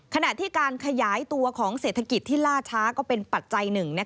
ขณะที่การขยายตัวของเศรษฐกิจที่ล่าช้าก็เป็นปัจจัยหนึ่ง